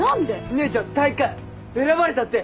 姉ちゃん大会選ばれたって。